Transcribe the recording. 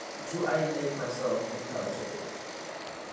Do I make myself intelligible?